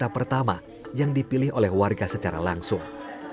kota pertama yang dipilih oleh warga secara langsung